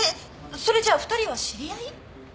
それじゃあ２人は知り合い？